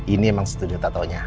ini emang studio tatonya